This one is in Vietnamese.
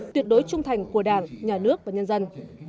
tuyệt đối trung thành của đảng nhà nước và nhân dân